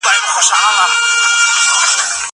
زه پرون لوښي وچولې!!